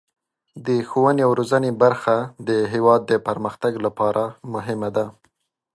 د ښوونې او روزنې برخه د هیواد د پرمختګ لپاره مهمه ده.